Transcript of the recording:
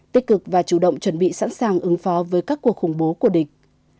tích cực và chủ động chuẩn bị sẵn sàng ứng phó với các cuộc khủng bố của địch